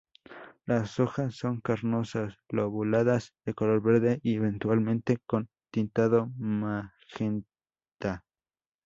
Las hojas son carnosas, lobuladas, de color verde y eventualmente con tintado magenta.